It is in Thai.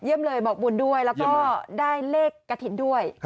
เลยบอกบุญด้วยแล้วก็ได้เลขกระถิ่นด้วย